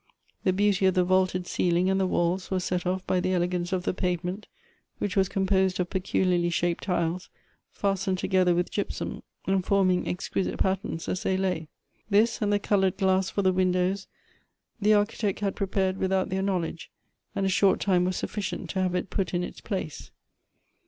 The beauty of the vaulted ceiling and the walls was set off by the elegance of the pavement, which was composed of peculiarly shaped tiles, fastened together with gypsum, and forming exquisite patterns as they lay. This and the colored glass for the windows the Architect had prepared without their knowledge, and a short time was sufficient to have it put in its place.